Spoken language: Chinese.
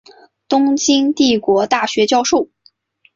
东京帝国大学教授。